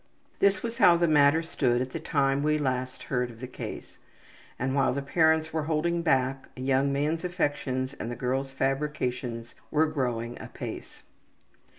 This was how the matter stood at the time we last heard of the case, and while the parents were holding back, a young man's affections and the girl's fabrications were growing apace.